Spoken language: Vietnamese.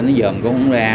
nó dờm cũng không ra